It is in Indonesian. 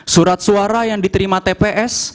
surat suara yang diterima tps